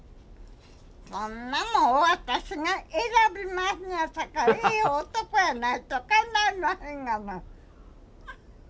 そんなもん私が選びますのやさかいいい男やないとかないませんがな。